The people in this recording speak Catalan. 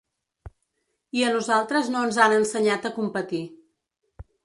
I a nosaltres no ens han ensenyat a competir.